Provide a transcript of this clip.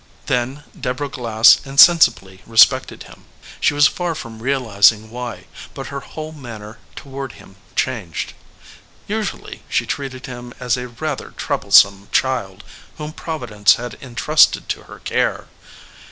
Then Deborah Glass insensibly respected him. She was far s from realizing why, but her whole manner toward him changed. Usually she treated him as a rather troublesome child whom Providence had intrusted to her care.